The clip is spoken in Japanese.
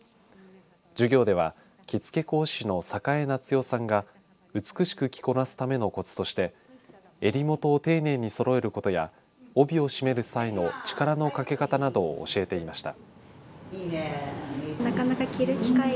授業では着付け講師の栄夏代さんが美しく着こなすためのコツとして襟元を丁寧にそろえることや帯を締める際の力のかけ方などを教えていました。